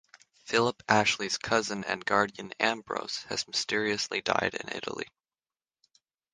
Philip Ashley’s cousin and guardian Ambrose has mysteriously died in Italy.